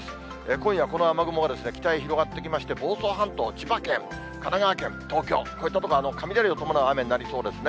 今夜この雨雲は北へ広がってきまして、房総半島、千葉県、神奈川県、東京、こういった所、雷を伴うような雨になりそうですね。